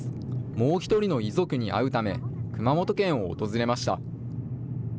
そして今月、もう１人の遺族に会うため、熊本県を訪れました。